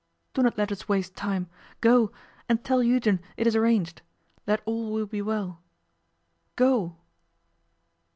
Do not let us waste time. Go and tell Eugen it is arranged, that all will be well. Go!